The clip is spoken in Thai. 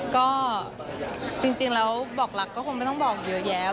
ก็จริงแล้วบอกรักก็คงไม่ต้องบอกเยอะแยะ